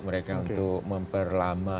mereka untuk memperlama